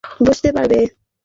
সাঙ্গেয়া, কী দেখছিস?